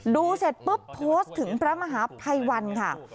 เสร็จปุ๊บโพสต์ถึงพระมหาภัยวันค่ะ